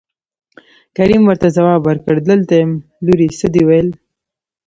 کريم ورته ځواب ورکړ دلته يم لورې څه دې وويل.